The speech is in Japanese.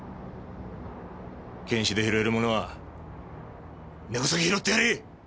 検視で拾えるものは根こそぎ拾ってやれ！